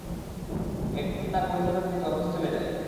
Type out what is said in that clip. একদিন তার বই ফেরত দিতে ওর হোস্টেলে যাই।